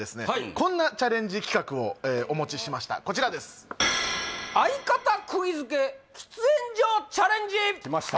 こんなチャレンジ企画をお持ちしましたこちらですきました